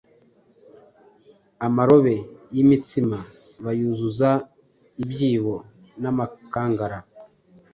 amarobe y'imitsima bayuzuza ibyibo n'amakangara.